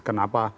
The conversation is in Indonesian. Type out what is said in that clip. kenapa pak jokowi